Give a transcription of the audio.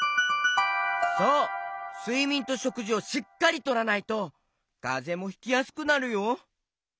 すいみんとしょくじをしっかりとらないとかぜもひきやすくなるよ。